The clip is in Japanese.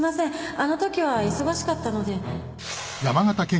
あの時は忙しかったので。